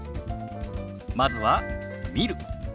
まずは「見る」。